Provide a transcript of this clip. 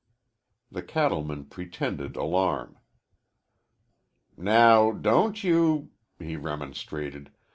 The cattleman pretended alarm. "Now, don't you," he remonstrated.